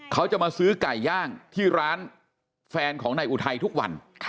เขาจะมาซื้อไก่ย่างที่ร้านแฟนของนายอุทัยทุกวัน